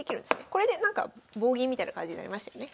これでなんか棒銀みたいな感じになりましたよね。